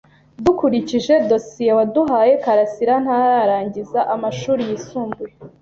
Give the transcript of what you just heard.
Dukurikije dosiye waduhaye, karasira ntararangiza amashuri yisumbuye.